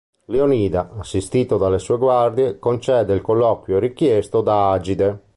Leonida, assistito dalle sue guardie, concede il colloquio richiesto da Agide.